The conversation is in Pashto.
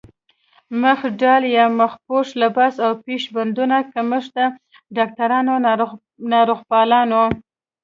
مخ ډال يا مخ پوښ، لباس او پيش بندونو کمښت د ډاکټرانو، ناروغپالانو